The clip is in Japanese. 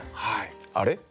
あれ？